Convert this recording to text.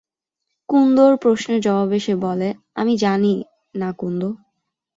কুন্দর প্রশ্নের জবাবে সে বলে, আমি জানি না কুন্দ।